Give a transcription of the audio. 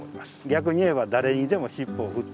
逆に言えば誰にでも尻尾を振っていかない。